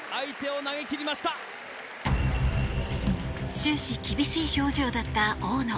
終始、厳しい表情だった大野。